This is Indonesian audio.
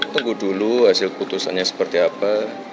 tunggu dulu hasil putusannya seperti apa